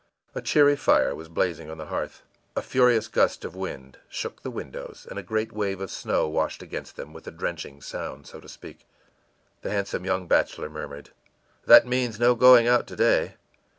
A cheery fire was blazing on the hearth. A furious gust of wind shook the windows, and a great wave of snow washed against them with a drenching sound, so to speak. The handsome young bachelor murmured: ìThat means, no going out to day.